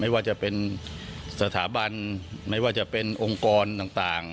ว่าจะเป็นสถาบันไม่ว่าจะเป็นองค์กรต่าง